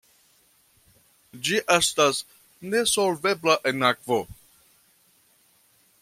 Ĝi estas nesolvebla en akvo.